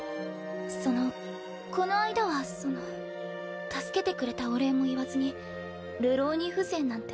そのこの間はその助けてくれたお礼も言わずに流浪人風情なんて。